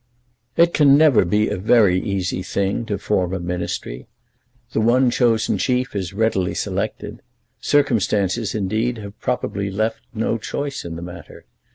It can never be a very easy thing to form a Ministry. The one chosen chief is readily selected. Circumstances, indeed, have probably left no choice in the matter.